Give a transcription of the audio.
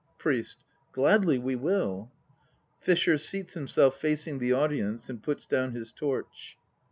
PRIEST. Gladly we will. FISHER (seats himself facing the audience and puts down his torch).